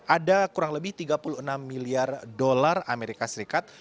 ada kurang lebih tiga puluh enam miliar dolar amerika serikat